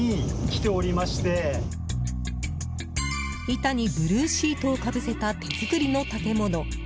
板にブルーシートをかぶせた手作りの建物。